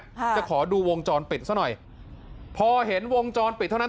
ค่ะจะขอดูวงจรปิดซะหน่อยพอเห็นวงจรปิดเท่านั้น